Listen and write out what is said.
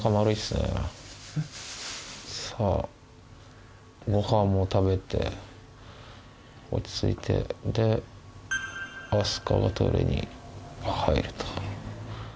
さぁごはんも食べて落ち着いてで明日香はトイレに入ると。